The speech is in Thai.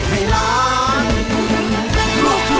เพลงที่๒มูลค่า๒๐๐๐๐บาท